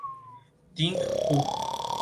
Fuente: "Billboard".